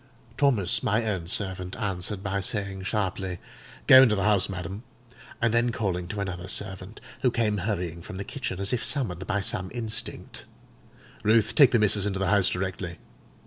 Thomas, my own servant, answered by saying sharply, 'Go into the house, madam.' And then calling to another servant, who came hurrying from the kitchen as if summoned by some instinct, 'Ruth, take missis into the house directly.